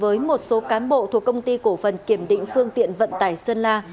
với một số cán bộ thuộc công ty cổ phần kiểm định phương tiện vận tải sơn la